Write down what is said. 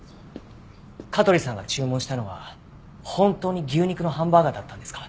香取さんが注文したのは本当に牛肉のハンバーガーだったんですか？